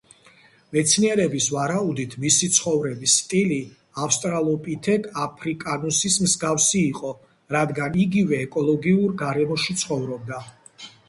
მეცნიერების ვარაუდით, მისი ცხოვრების სტილი ავსტრალოპითეკ აფრიკანუსის მსგავსი იყო, რადგან იგივე ეკოლოგიურ გარემოში ცხოვრობდა.